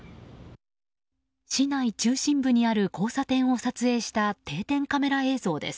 市内中心部にある交差点を撮影した定点カメラ映像です。